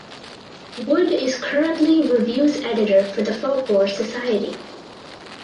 Wood is currently Reviews Editor for the Folklore Society.